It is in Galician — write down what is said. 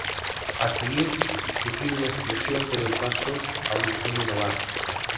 A seguir sufriu unha explosión que deu paso a un incendio no barco.